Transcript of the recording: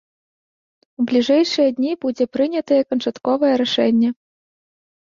У бліжэйшыя дні будзе прынятае канчатковае рашэнне.